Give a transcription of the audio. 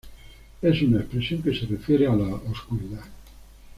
Es una expresión que se refiere a la oscuridad.